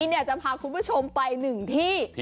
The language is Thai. เนี่ยจะพาคุณผู้ชมไปหนึ่งที่